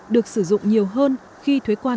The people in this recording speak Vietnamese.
được sử dụng nhiều hơn khi thuế quan